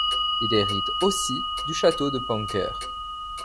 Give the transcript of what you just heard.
Il hérite aussi du château de Panker.